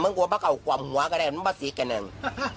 มันกลัวพระเขาคว่ำหัวก็ได้มันประสิทธิ์กันนึง